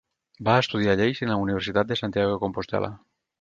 Va estudiar lleis en la Universitat de Santiago de Compostel·la.